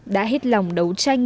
đã hết lòng đấu tranh